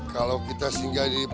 kalau kita sehingga di pompong